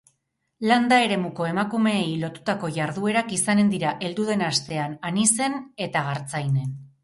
Landa eremuko emakumeei lotutako jarduerak izanen dira heldu den astean Anizen eta Gartzainen